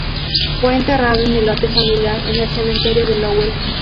Fue enterrado en el lote familiar, en el cementerio de Lowell.